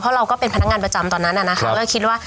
เพราะเราก็เป็นพนักงานประจำตอนนั้นน่ะนะคะแล้วคิดว่า